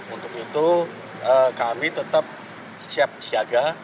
untuk itu kami tetap siap siaga